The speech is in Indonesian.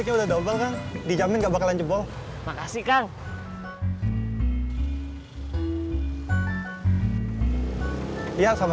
mau ketemu papa my love